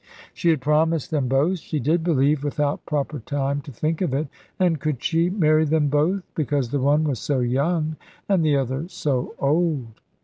She had promised them both, she did believe, without proper time to think of it; and could she marry them both, because the one was so young and the other so old?